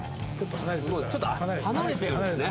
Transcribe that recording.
ちょっと離れてるんですね。